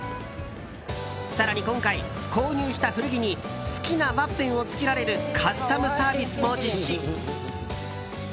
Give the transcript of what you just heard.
更に今回、購入した古着に好きなワッペンを付けられるカスタムサービスも実施。